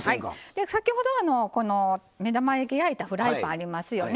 で先ほどこの目玉焼き焼いたフライパンありますよね。